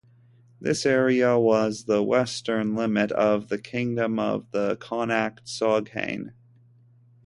This area was the western limit of the kingdom of the Connacht Soghain.